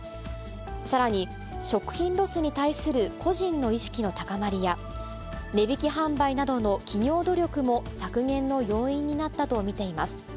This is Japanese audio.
さらに食品ロスに対する個人の意識の高まりや、値引き販売などの企業努力も、削減の要因になったと見ています。